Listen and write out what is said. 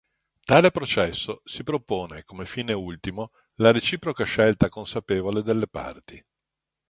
Tale processo si propone come fine ultimo la reciproca scelta consapevole delle parti.